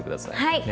はい。